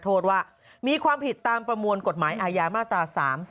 โทษว่ามีความผิดตามประมวลกฎหมายอาญามาตรา๓๔